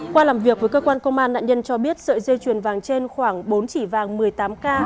qua làm việc với cơ quan công an nạn nhân cho biết sợi dây chuyền vàng trên khoảng bốn chỉ vàng một mươi tám k